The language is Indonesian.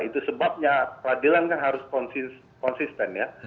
itu sebabnya peradilan kan harus konsisten ya